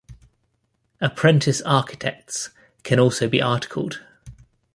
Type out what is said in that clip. Apprentice architects can also be articled.